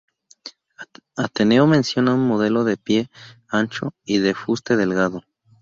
Ateneo menciona un modelo de pie ancho y de fuste delgado.